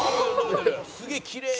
すげえきれいに。